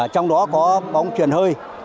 trong đó có bóng truyền hơi